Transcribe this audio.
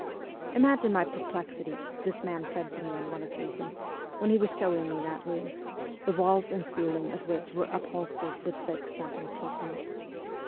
' Imagine my perplexity,' this man said to me on one occasion, when he was showing me that room, the walls and ceiling of which were upholstered with thick satin cushions.